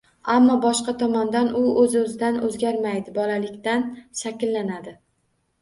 Ammo boshqa tomondan, u o'z -o'zidan o'zgarmaydi, bolalikdan shakllanadi